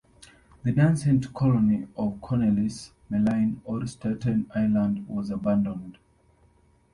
The nascent colony of Cornelis Melyn on Staten Island was abandoned.